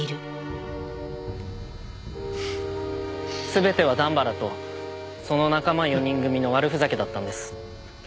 全ては段原とその仲間４人組の悪ふざけだったんです。